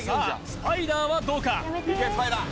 スパイダーはどうか？